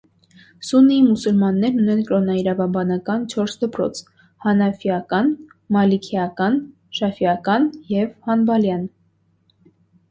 Սուննի մուսուլմաններն ունեն կրոնաիրավաբանական չորս դպրոց՝ հանաֆիական, մալիքիական, շաֆիական և հանբալյան։